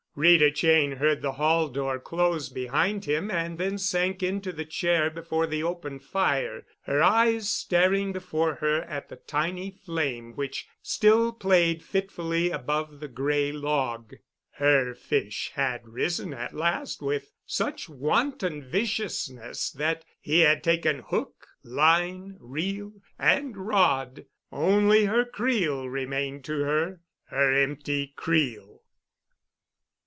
Rita Cheyne heard the hall door close behind him and then sank into the chair before the open fire, her eyes staring before her at the tiny flame which still played fitfully above the gray log. Her fish had risen at last with such wanton viciousness that he had taken hook, line, reel, and rod. Only her creel remained to her—her empty creel.